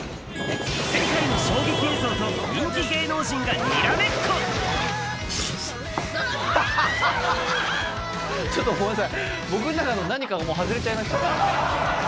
世界の衝撃映像と人気芸能人ちょっとごめんなさい、僕の中の何かがもう、外れちゃいました。